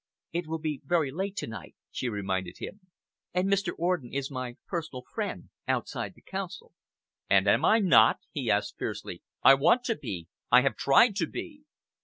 "It will be very late to night," she reminded him, "and Mr. Orden is my personal friend outside the Council." "And am I not?" he asked fiercely. "I want to be. I have tried to be."